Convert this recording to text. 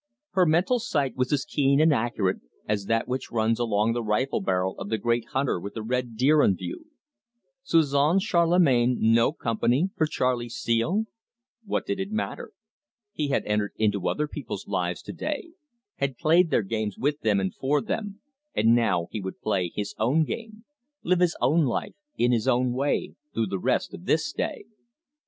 Her mental sight was as keen and accurate as that which runs along the rifle barrel of the great hunter with the red deer in view. Suzon Charlemagne no company for Charley Steele? What did it matter! He had entered into other people's lives to day, had played their games with them and for them, and now he would play his own game, live his own life in his own way through the rest of this day.